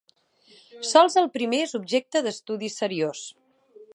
Sols el primer és objecte d'estudi seriós.